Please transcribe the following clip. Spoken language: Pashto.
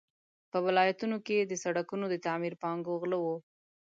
په ولایتونو کې د سړکونو د تعمیر پانګو غله وو.